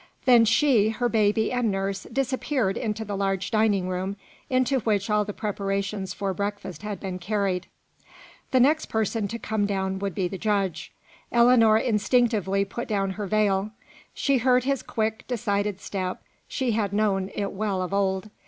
Then she, her baby and nurse, disappeared into the large dining room, into which all the preparations for breakfast had been carried. The next person to come down would be the judge. Ellinor instinctively put down her veil. She heard his quick decided step; she had known it well of old.